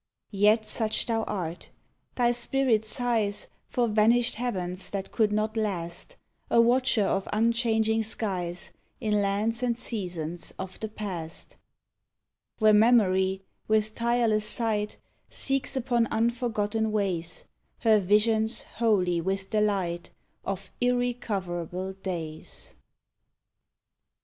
Yet such thou art. Thy spirit sighs For vanished heavens that could not last A watcher of unchanging skies, In lands and seasons of the past, Where Memory, with tireless sight, Seeks upon unforgotten ways Her visions holy with the light Of irrecoverable days.